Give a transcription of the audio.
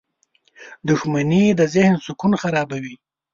• دښمني د ذهن سکون خرابوي.